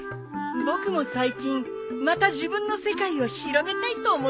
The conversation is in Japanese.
僕も最近また自分の世界を広げたいと思っていてね。